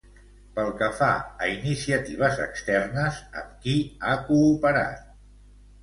Pel que fa a iniciatives externes, amb qui ha cooperat?